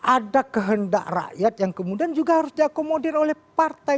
ada kehendak rakyat yang kemudian juga harus diakomodir oleh partai